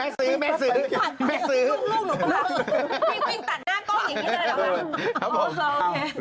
ไอ้แม่สื้อ